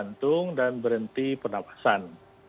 jantung dan berhenti penapasan